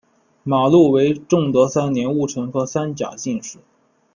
马录为正德三年戊辰科三甲进士。